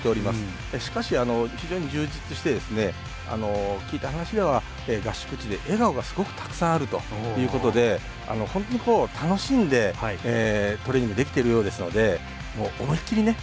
しかし非常に充実してですね聞いた話では合宿地で笑顔がすごくたくさんあるということで本当にこう楽しんでトレーニングできてるようですので思いっきりね